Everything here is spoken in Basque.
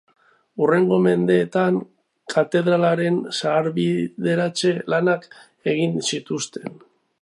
Hurrengo mendeetan katedralaren zaharberritze lanak egin zituzten.